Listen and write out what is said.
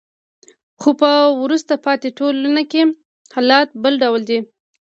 خو په وروسته پاتې ټولنو کې حالت بل ډول دی.